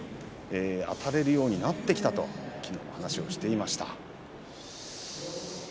あたれるようになってきたという話をしていました。